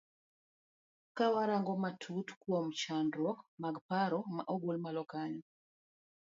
Kawa rango matut kuom chandruok mag paro ma ogol malo kanyo.